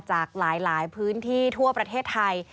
จากหลายพื้นที่ทั่วประเทศไทย